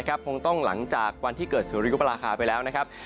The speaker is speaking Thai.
คงต้องหลังจากวันที่เกิดสุริยุปราคาไปแล้วนะครับ